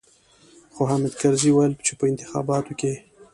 خو حامد کرزي ويل چې په انتخاباتو کې.